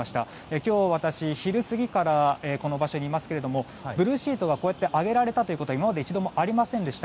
今日、私、昼過ぎからこの場所にいますけれどもブルーシートが上げられたということは今まで一度もありませんでした。